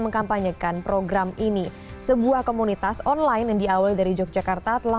mengkampanyekan program ini sebuah komunitas online yang diawal dari yogyakarta telah